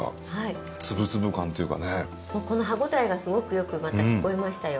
この歯ごたえがすごくよく聞こえましたよ。